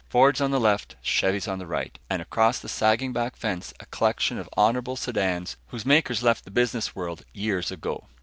Fords on the left, Chevys on the right, and across the sagging back fence, a collection of honorable sedans whose makers left the business world years ago.